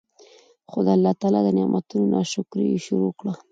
خو د الله تعالی د نعمتونو نا شکري ئي شروع کړه